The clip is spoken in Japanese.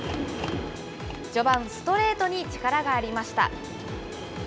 序盤、ストレートに力がありました。